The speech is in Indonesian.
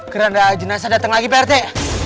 kerendah jenazah dateng lagi pak rete